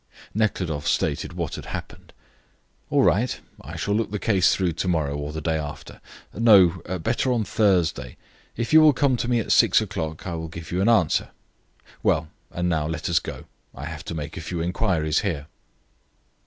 Nekhludoff stated what had happened. "All right. I shall look the case through to morrow or the day after no better on Thursday. If you will come to me at six o'clock I will give you an answer. Well, and now let us go; I have to make a few inquiries here."